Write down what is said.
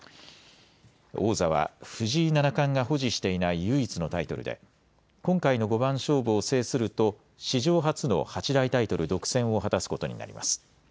王座は藤井七冠が保持していない唯一のタイトルで今回の五番勝負を制すると史上初の八大タイトル独占を果たすことになります。